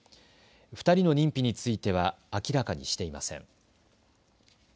２人の認否については明らかにしていません。